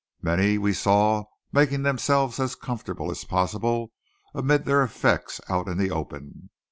Many we saw making themselves as comfortable as possible amid their effects out in the open.